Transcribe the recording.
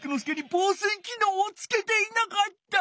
防水きのうをつけていなかった！